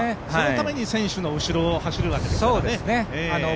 そのために選手の後ろを走るわけですからね。